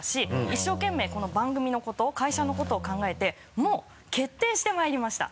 一生懸命この番組のこと会社のことを考えてもう決定してまいりました。